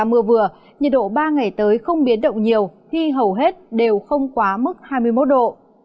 với nhiệt độ vừa nhiệt độ ba ngày tới không biến động nhiều khi hầu hết đều không quá mức hai mươi một độ